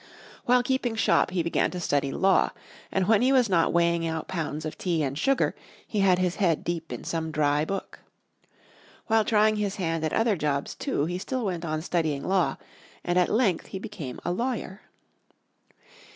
While keeping shop he began to study law, and when he was not weighing out pounds of tea and sugar he had his head deep in some dry book. While trying his hand at other jobs, too, he still went on studying law, and at length he became a lawyer.